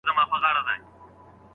قريشي به ستا د غونډې زنې خال شي